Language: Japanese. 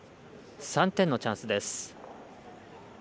３点のチャンスです。